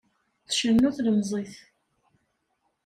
Tcennu tlemẓit.